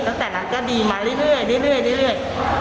ตั้งแต่นั้นก็ดีมาเรื่อย